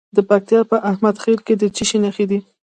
د پکتیا په احمد خیل کې د څه شي نښې دي؟